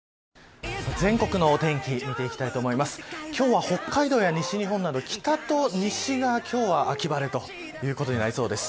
今日は北海道や西日本など北と西側が今日は秋晴れということになりそうです。